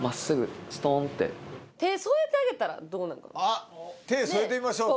あっ手添えてみましょうって。